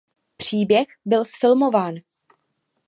Příběh byl zfilmován.